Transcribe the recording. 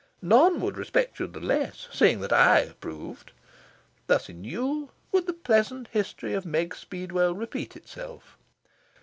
None would respect you the less, seeing that I approved. Thus in you would the pleasant history of Meg Speedwell repeat itself.